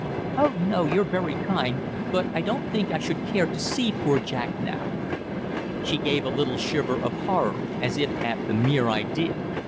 "Oh, no, you're very kind, but I don't think I should care to see poor Jack now." She gave a little shiver of horror as if at the mere idea.